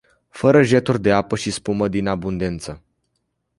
Fără jeturi de apă și spumă din abundență.